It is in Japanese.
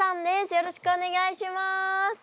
よろしくお願いします。